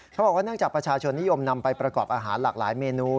เนื่องจากประชาชนนิยมนำไปประกอบอาหารหลากหลายเมนู